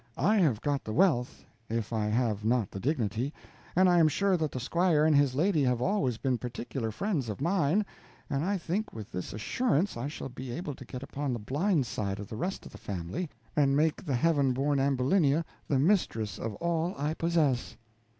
I have got the wealth, if I have not the dignity, and I am sure that the squire and his lady have always been particular friends of mine, and I think with this assurance I shall be able to get upon the blind side of the rest of the family and make the heaven born Ambulinia the mistress of all I possess."